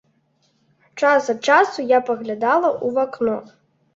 Час ад часу я паглядала ў вакно.